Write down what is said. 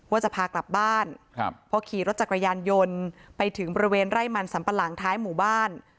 ว่าจะพากลับบ้านพอขี่รถจักรยานยนต์ไปถึงบริเวณไร่มันสัมปะหลังท้ายหมู่บ้าน